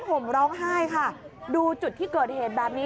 ห่มร้องไห้ค่ะดูจุดที่เกิดเหตุแบบนี้